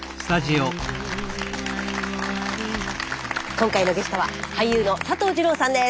今回のゲストは俳優の佐藤二朗さんです。